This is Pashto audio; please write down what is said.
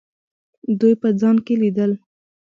دوی په ځان کې لیدل.